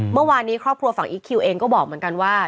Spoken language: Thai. เมื่อวานนี้ครอบครัวฝั่งอีคคิวเองก็บอกเหมือนกันว่า